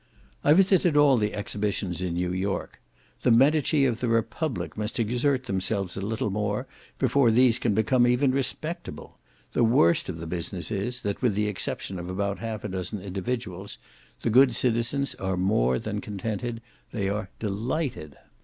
I visited all the exhibitions in New York. The Medici of the Republic must exert themselves a little more before these can become even respectable. The worst of the business is, that with the exception of about half a dozen individuals, the good citizens are more than contented, they are delighted.